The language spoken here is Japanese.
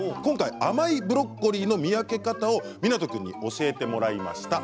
今回、甘いブロッコリーの見分け方を湊君に教えてもらいました。